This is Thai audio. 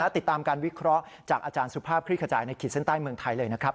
ติดตามการวิเคราะห์จากอาจารย์สุภาพคลิกขจายในขีดเส้นใต้เมืองไทยเลยนะครับ